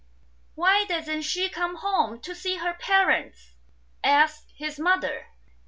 "Why doesn't she come home to see her parents ?" asked his mother.